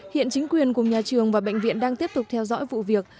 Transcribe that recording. hiện chính quyền cùng nhà trường và bệnh viện đang tiếp tục theo dõi vụ việc